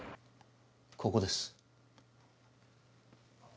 ここです。